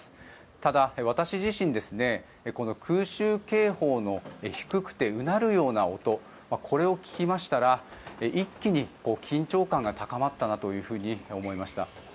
ただ、私自身、この空襲警報の低くてうなるような音これを聞きましたら一気に緊張感が高まったなと思いました。